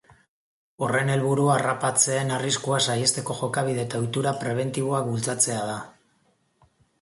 Horren helburua harrapatzeen arriskua saihesteko jokabide eta ohitura prebentiboak bultzatzea da.